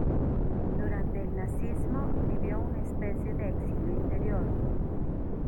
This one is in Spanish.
Durante el nazismo vivió una especie de exilio interior.